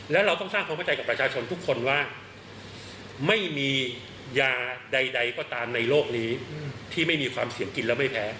แล้วเราต้องสร้างความเข้าใจกับประชาชนทุกคนว่าไม่มียาใดก็ตามในโลกนี้ที่ไม่มีความเสี่ยงกินแล้วไม่แพ้